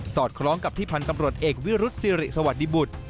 อดคล้องกับที่พันธ์ตำรวจเอกวิรุษศิริสวัสดิบุตร